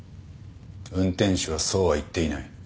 運転手はそうは言っていない。